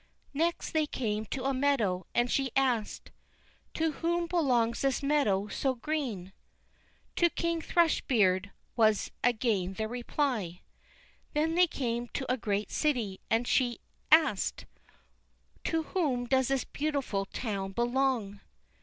Next they came to a meadow, and she asked: "To whom belongs this meadow so green?" "To King Thrush beard," was again the reply. Then they came to a great city, and she asked: "To whom does this beautiful town belong?"